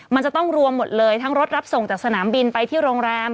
มันจะต้องรวมหมดเลยทั้งรถรับส่งจากสนามบินไปที่โรงแรม